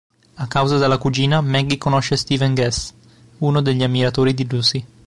A casa della cugina, Maggie conosce Stephen Guest, uno degli ammiratori di Lucy.